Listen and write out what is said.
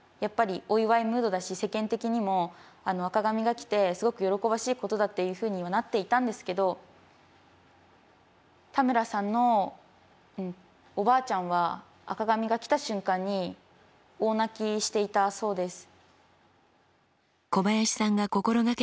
世間的にも赤紙が来てすごく喜ばしいことだっていうふうにはなっていたんですけど田村さんのおばあちゃんは赤紙が来た瞬間に大泣きしていたそうです。